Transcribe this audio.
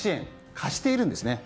貸しているんですね。